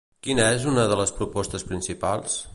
Quina és una de les propostes principals?